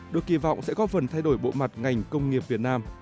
được kỳ vọng sẽ góp phần thay đổi bộ mặt ngành công nghiệp việt nam